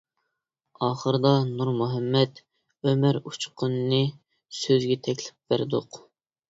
ئاخىرىدا نۇرمۇھەممەت ئۆمەر ئۇچقۇننى سۆزگە تەكلىپ بەردۇق.